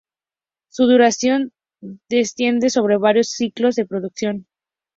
Su duración de extiende sobre varios ciclos de la producción.